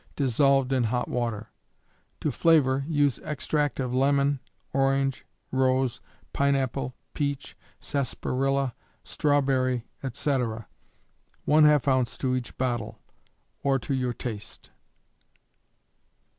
dissolved in hot water; to flavor, use extract of lemon, orange, rose, pine apple, peach, sarsaparilla, strawberry, etc., ½ ounce to each bottle, or to your taste.